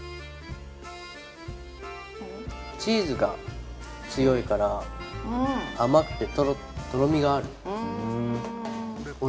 チーズが強いから甘くてとろみがある。